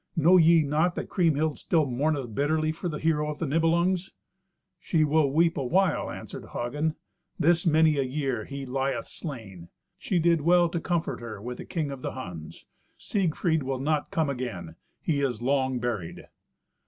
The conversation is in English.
Know ye not that Kriemhild still mourneth bitterly for the hero of the Nibelungs?" "She will weep awhile," answered Hagen. "This many a year he lieth slain. She did well to comfort her with the king of the Huns. Siegfried will not come again. He is long buried."